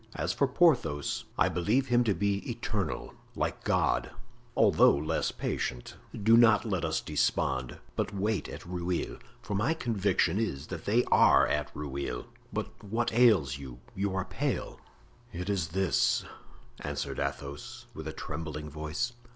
As for Porthos, I believe him to be eternal, like God, although less patient. Do not let us despond, but wait at Rueil, for my conviction is that they are at Rueil. But what ails you? You are pale." "It is this," answered Athos, with a trembling voice.